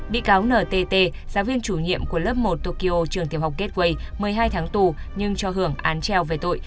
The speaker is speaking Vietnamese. bị cáo ntt giáo viên chủ nhiệm của lớp một tokyo trường tiểu học kết quây một mươi hai tháng tù nhưng cho hưởng án treo về tội